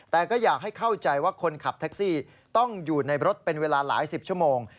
แต่ก็อยากให้เข้าใจว่าคนขับแท็กซี่ต้องอยู่ในรถเป็นเวลาหลายสิบชั่วโมง